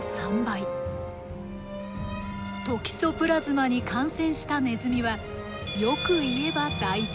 トキソプラズマに感染したネズミはよく言えば大胆。